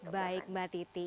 baik mbak titi